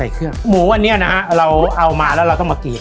เครื่องหมูอันนี้นะฮะเราเอามาแล้วเราต้องมากรีด